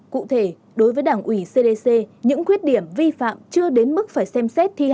cụ thể đối với đảng ủy cdc những khuyết điểm vi phạm chưa đến mức phải xem xét